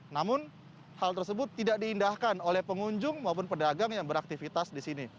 namun hal tersebut tidak diindahkan oleh pengunjung maupun pedagang yang beraktivitas di sini